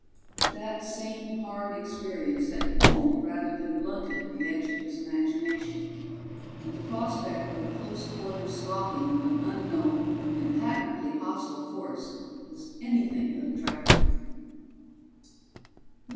But that same hard experience had honed rather than blunted the edge of his imagination, and the prospect of a close quarters stalking of an unknown and patently hostile force was anything but attractive.